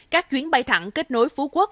các chuyến bay thẳng kết nối phú quốc